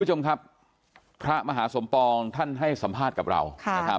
คุณผู้ชมครับพระมหาสมปองท่านให้สัมภาษณ์กับเรานะครับ